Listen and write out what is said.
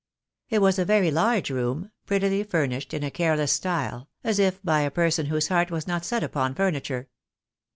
It was a very large room, prettily furnished in a care less style, as if by a person whose heart was not set upon furniture.